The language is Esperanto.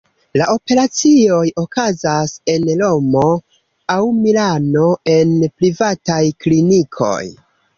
La operacioj okazas en Romo aŭ Milano, en privataj klinikoj.